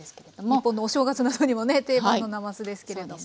日本のお正月などにもね定番のなますですけれども。